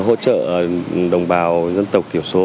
hỗ trợ đồng bào dân tộc tiểu số